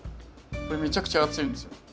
これめちゃくちゃ暑いんですよ。